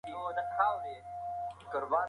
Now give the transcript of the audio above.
ایا تاسي د دې ویډیو په مانا پوهېږئ؟